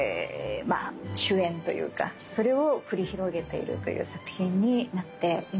酒宴というかそれを繰り広げているという作品になっています。